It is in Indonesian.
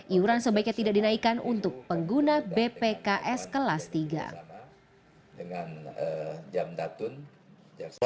iuran sebaiknya tidak dinaikkan untuk pengguna bpks kelas tiga